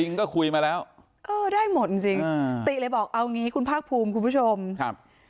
ก็คุยมาแล้วเออได้หมดจริงจริงอ่าติเลยบอกเอางี้คุณภาคภูมิคุณผู้ชมครับ